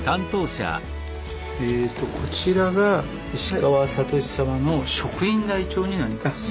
こちらが石川智様の職員台帳になります。